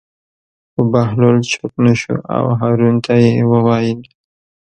خو بهلول چوپ نه شو او هارون ته یې وویل.